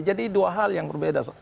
jadi dua hal yang berbeda